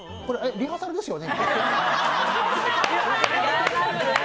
リハーサルですよね？